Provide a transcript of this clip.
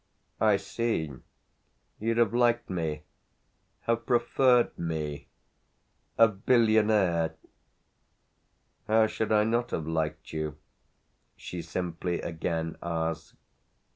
"I see. You'd have liked me, have preferred me, a billionaire!" "How should I not have liked you?" she simply again asked.